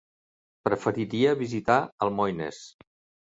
Preferiria visitar Almoines.